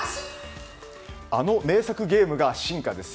あの名作ゲームが進化です。